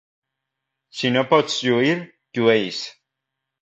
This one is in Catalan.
Si no pots lluir, llueix.